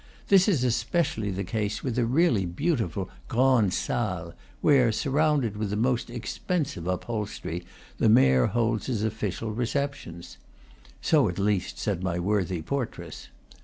This is especially the case with a really beautiful grande salle, where, surrdunded with the most expensive upholstery, the mayor holds his official receptions. (So at least, said my worthy portress.)